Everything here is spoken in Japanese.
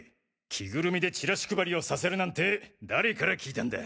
着ぐるみでチラシ配りをさせるなんて誰から聞いたんだ？